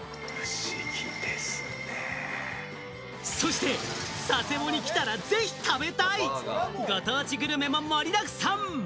そして、佐世保に来たら、ぜひ食べたい、ご当地グルメも盛りだくさん！